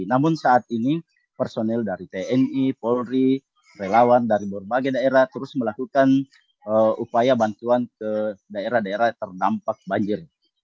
namun saat ini personil dari tni polri relawan dari berbagai daerah terus melakukan upaya bantuan ke daerah daerah terdampak banjir